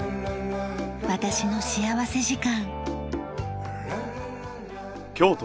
『私の幸福時間』。